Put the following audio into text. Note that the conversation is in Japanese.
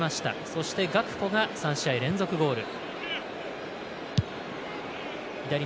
そして、ガクポが３試合連続ゴール。